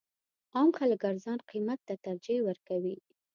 عام خلک ارزان قیمت ته ترجیح ورکوي.